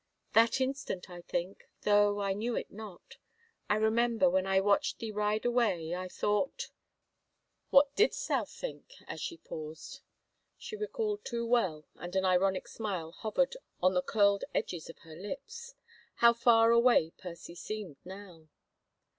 " That instant, I think, though I knew it not. ... I remember, when I watched thee ride away, I thought —" "What didst thou think —?" as she paused. She recalled too well, and an ironic smile hovered on the curled edges of her lips. How far away Percy seemed now!